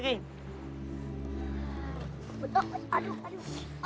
aduh aduh aduh